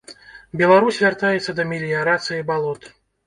Беларусь вяртаецца да меліярацыі балот.